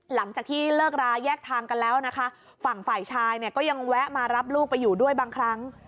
หลังจากที่เลิกราแยกทางกันแล้วนะคะฝั่งฝ่ายชายเนี่ยก็ยังแวะมารับลูกไปอยู่ด้วยบางครั้ง